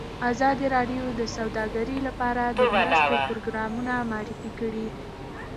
ازادي راډیو د سوداګري لپاره د مرستو پروګرامونه معرفي کړي.